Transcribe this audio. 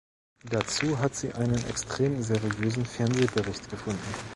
Dazu hat sie einen extrem seriösen Fernsehbericht gefunden.